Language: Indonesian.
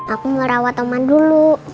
aku mau rawat oman dulu